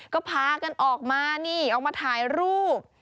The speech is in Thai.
ก็พากันออกมานี่ออกมาถ่ายรูป